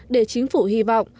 để chính phủ hy vọng